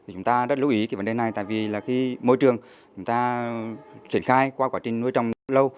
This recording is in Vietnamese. chúng ta rất lưu ý vấn đề này tại vì môi trường chúng ta triển khai qua quá trình nuôi trồng lâu